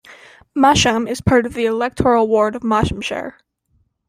Masham is part of the electoral ward of Mashamshire.